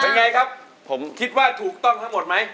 อย่างไรครับผมคิดถูกต้องทั้งหมด